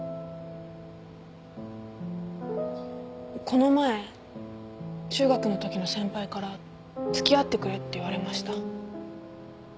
この前中学のときの先輩から付き合ってくれって言われました。